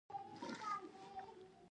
د سیګریټو د ډېر اعتیاد په وجه.